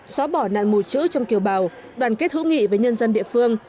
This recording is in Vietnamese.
xóa bỏ nạn mù chữ trong kiều bào đoàn kết hữu nghị với nhân dân địa phương